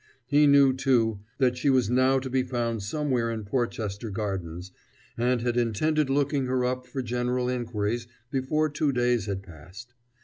He knew, too, that she was now to be found somewhere in Porchester Gardens, and had intended looking her up for general inquiries before two days had passed.